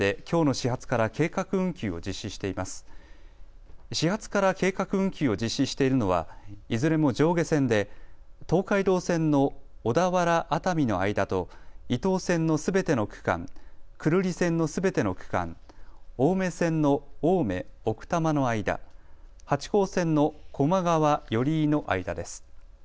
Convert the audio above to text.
始発から計画運休を実施しているのはいずれも上下線で東海道線の小田原・熱海の間と伊東線のすべての区間、久留里線のすべての区間、青梅線の青梅・奥多摩の間、八高線の高麗川・寄居の間です。